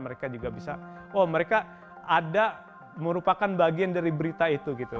mereka juga bisa oh mereka ada merupakan bagian dari berita itu gitu